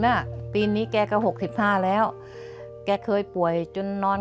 เมื่อปีที่แล้วเนี่ยอาการแม่หนาคืนนอนตื่นมาว่ามันช้าไปสิ่ง